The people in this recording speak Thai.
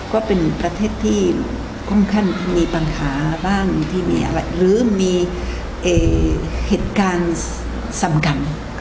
ก็เป็นประเทศที่ค่อนข้างมีปัญหาบ้างที่มีอะไรหรือมีเหตุการณ์สำคัญ